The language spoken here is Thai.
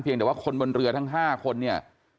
แต่ว่าคนบนเรือทั้ง๕คนเนี่ย